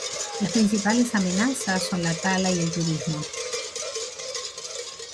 Las principales amenazas son la tala y el turismo.